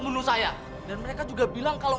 dulu saya dan mereka juga bilang kalau